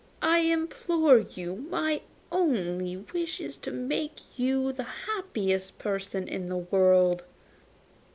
I implore you. My only wish is to make you the happiest person in the world.